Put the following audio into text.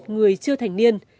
người chưa thành niên